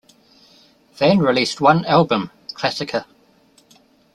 Van released one album, "Classica".